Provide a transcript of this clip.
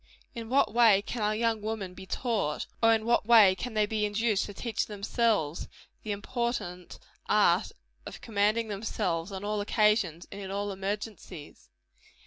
In what way can our young women be taught or in what way can they be induced to teach themselves the important art of commanding themselves, on all occasions, and in all emergencies?